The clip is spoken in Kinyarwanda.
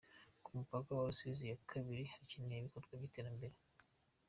Ku mupaka wa Rusizi ya kabiri hakenewe ibikorwa by’iterambere.